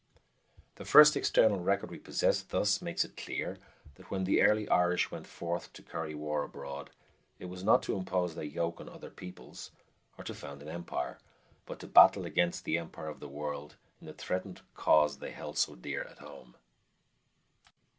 The first external record we possess thus makes it clear that when the early Irish went forth to carry war abroad, it was not to impose their yoke on other peoples, or to found an empire, but to battle against the Empire of the World in the threatened cause they held so dear at home.